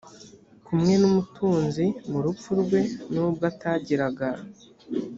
kumwe n’umutunzi mu rupfu rwe nubwo atagiraga